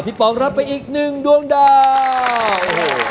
พี่ป๋องรับไปอีก๑ดวงดาว